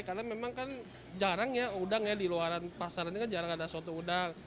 karena memang kan jarang udangnya di luar pasar ini jarang ada soto udang